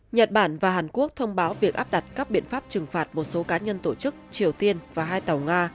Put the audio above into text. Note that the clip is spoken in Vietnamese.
nhật bản và hàn quốc thông báo việc áp đặt các biện pháp trừng phạt một số cá nhân tổ chức triều tiên và hai tàu nga